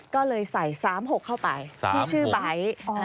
ก็เลยใส่๓๖เข้าไปที่ชื่อไบท์